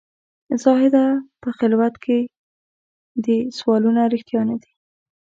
زاهده په خلوت کې دي سوالونه رښتیا نه دي.